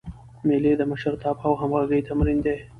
مېلې د مشرتابه او همږغۍ تمرین دئ.